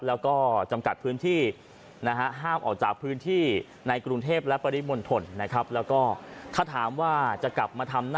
แล้วก็จำกัดพื้นที่นะฮะห้ามออกจากพื้นที่ในกรุงเทพและปริมณฑลนะครับ